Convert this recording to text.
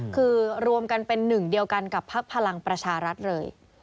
คือรวมกันเป็นหนึ่งเดียวกันกับพักพลังประชารัฐเลย